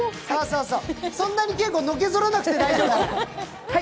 そんなに敬子、のけぞらなくて大丈夫だから。